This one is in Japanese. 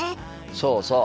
そうそう。